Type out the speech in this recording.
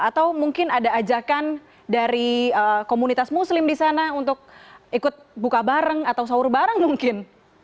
atau mungkin ada ajakan dari komunitas muslim di sana untuk ikut buka bareng atau sahur bareng mungkin